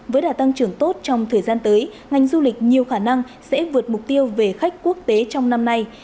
với đả tăng trưởng tốt trong thời gian tới ngành du lịch nhiều khả năng sẽ vượt mục tiêu về khách quốc tế trong năm nay